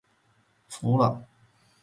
服了